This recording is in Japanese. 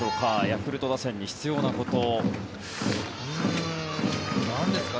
ヤクルト打線に必要なこと。